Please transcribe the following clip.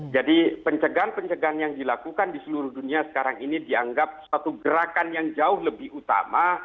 jadi pencegahan pencegahan yang dilakukan di seluruh dunia sekarang ini dianggap suatu gerakan yang jauh lebih utama